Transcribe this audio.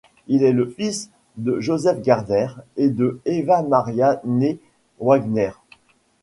Il est le fils de Joseph Gärtner et de Eva Maria née Wagner.